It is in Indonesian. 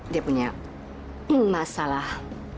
dia punya masalah